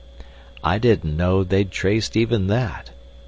"I didn't know they'd traced even that."